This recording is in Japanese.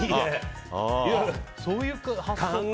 そういう発想か。